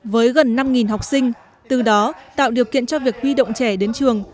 với gần năm học sinh từ đó tạo điều kiện cho việc huy động trẻ đến trường